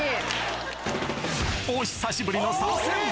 お久しぶりの参戦